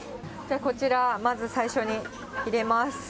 こちら、まず最初に入れます。